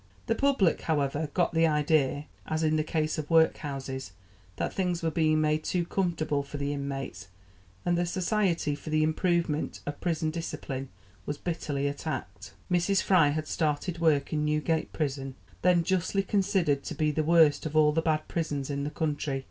The public, however, got the idea as in the case of workhouses that things were being made too comfortable for the inmates, and the Society for the Improvement of Prison Discipline was bitterly attacked. Mrs Fry had started work in Newgate Prison, then justly considered to be the worst of all the bad prisons in the country.